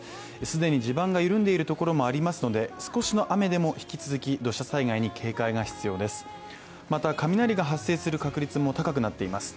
既に地盤が緩んでいるところもありますので少しの雨でも引き続き土砂災害に警戒が必要です。